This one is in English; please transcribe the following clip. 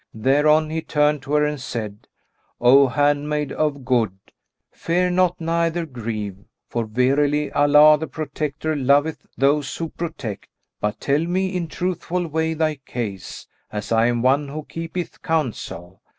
Thereon he turned to her and said, "O handmaid of good, fear not neither grieve, for verily Allah the Protector loveth those who protect; but tell me in truthful way thy case, as I am one who keepeth counsel.